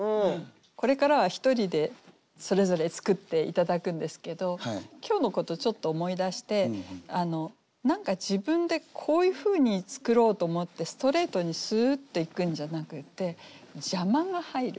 これからは１人でそれぞれ作って頂くんですけど今日のことちょっと思い出して何か自分でこういうふうに作ろうと思ってストレートにすっといくんじゃなくって邪魔が入る。